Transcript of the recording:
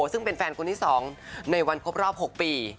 ซึ่งเป็นแฟนคนที่๒ในวันครบรอบ๖ปี